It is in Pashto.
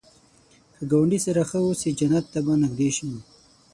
که ګاونډي سره ښه اوسې، جنت ته به نږدې شې